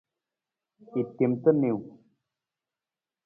I tem ta niiwung.